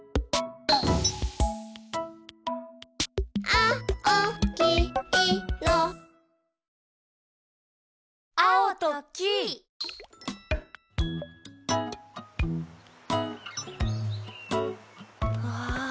「あおきいろ」わ。